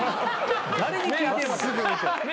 誰に聞いてんねん。